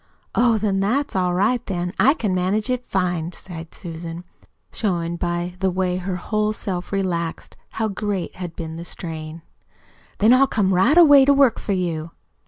"Oh! Then that's all right, then. I can manage it fine," sighed Susan, showing by the way her whole self relaxed how great had been the strain. "Then I'll come right away to work for you."